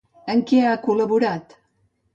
En què ha col·laborat?